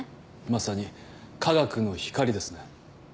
まさに科学の光ですね。